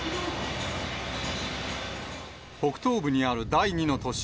北東部にある第２の都市